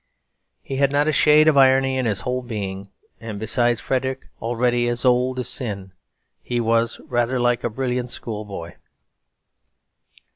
He had not a shade of irony in his whole being; and beside Frederick, already as old as sin, he was like a rather brilliant schoolboy.